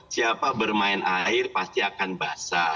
siapa bermain air pasti akan basah